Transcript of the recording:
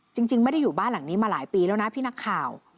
จริงไม่ได้อยู่บ้านหลังนี้มาหลายปีแล้วนะพี่นักข่าว